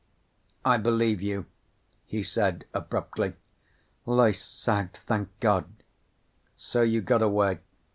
"I believe you," he said abruptly. Loyce sagged. "Thank God." "So you got away."